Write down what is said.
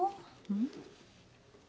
うん？